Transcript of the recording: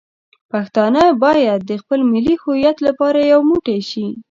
پښتانه باید د خپل ملي هویت لپاره یو موټی شي.